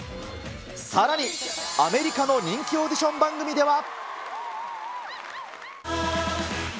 さらに、アメリカの人気オーディション番組では。